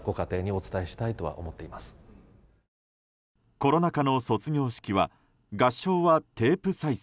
コロナ禍の卒業式は合唱はテープ再生。